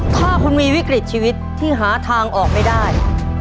ถ้าคุณมีวิกฤตชีวิตที่หาทางออกไม่ได้